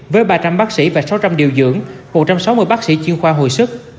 với ba trăm linh bác sĩ và sáu trăm linh điều dưỡng một trăm sáu mươi bác sĩ chuyên khoa hồi sức